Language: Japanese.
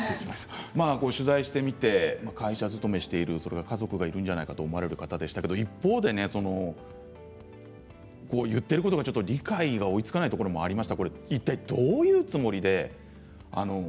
取材してみて家族がいるんじゃないかという方でしたけれど一方で言っていることが理解が追いつかないこともありました。